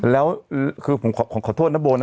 แล้วคือผมขอโทษนะโบนะ